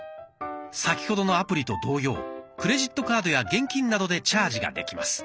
先ほどのアプリと同様クレジットカードや現金などでチャージができます。